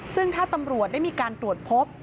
ซึ่งถ้าตำรวจได้มีการตรวจพบ